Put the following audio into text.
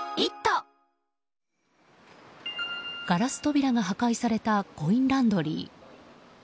ガラス扉が破壊されたコインランドリー。